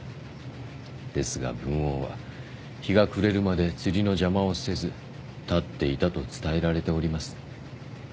ですが文王は日が暮れるまで釣りの邪魔をせず立っていたと伝えられております。